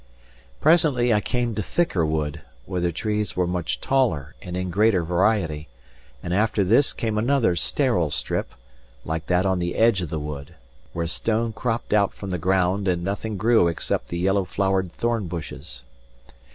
Presently I came to thicker wood, where the trees were much taller and in greater variety; and after this came another sterile strip, like that on the edge of the wood where stone cropped out from the ground and nothing grew except the yellow flowered thorn bushes.